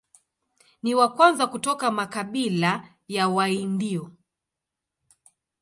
Ni wa kwanza kutoka makabila ya Waindio.